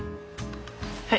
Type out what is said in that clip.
はい。